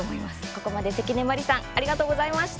ここまで、関根麻里さんありがとうございました。